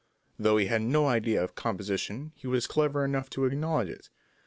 Though he had no idea of composition, he was clever enough to acknowledge it.